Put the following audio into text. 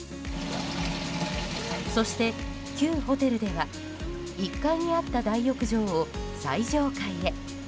そして、旧ホテルでは１階にあった大浴場を最上階へ。